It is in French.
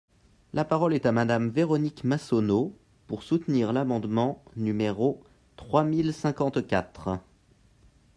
La parole est à Madame Véronique Massonneau, pour soutenir l’amendement numéro trois mille cinquante-quatre.